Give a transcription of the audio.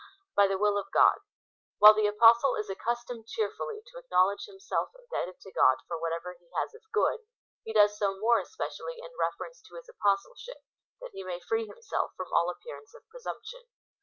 By the will of God. While the Apostle is accustomed cheerfully to acknowledge himself indebted to God for what ever he has of good, he does so more especially in reference to his apostleship, that he may free himself from all ap pearance of presumption.